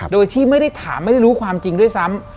โดยที่ไม่ได้ถามไม่ได้รู้ความจริงด้วยซ้ำ